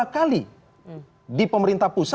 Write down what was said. dua kali di pemerintah pusat